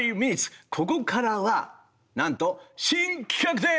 ここからはなんと新企画です！